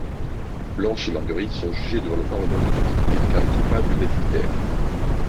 Blanche et Marguerite sont jugées devant le Parlement de Paris et déclarées coupables d'adultère.